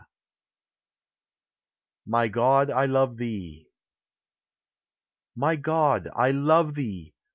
103 MY GOD, I LOVE THEE. My God, I love thee!